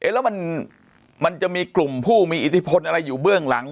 แล้วมันจะมีกลุ่มผู้มีอิทธิพลอะไรอยู่เบื้องหลัง